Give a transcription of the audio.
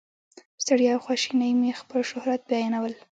په ستړیا او خواشینۍ مې خپل شهرت بیانول.